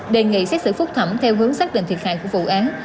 đề nghị xét xử phúc thẩm theo hướng xác định thiệt hại của vụ án